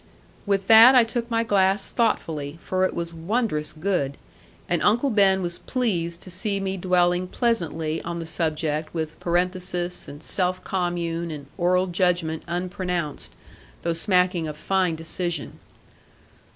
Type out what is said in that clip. With that I took my glass thoughtfully, for it was wondrous good; and Uncle Ben was pleased to see me dwelling pleasantly on the subject with parenthesis, and self commune, and oral judgment unpronounced, though smacking of fine decision.